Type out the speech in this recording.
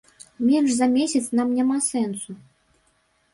Менш за месяц нам няма сэнсу.